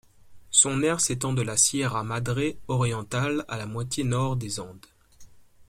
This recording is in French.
Son aire s'étend de la Sierra Madre orientale à la moitié nord des Andes.